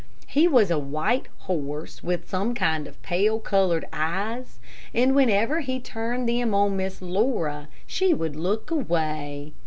He was a white horse, with some kind of pale colored eyes, and whenever he turned them on Miss Laura, she would look away.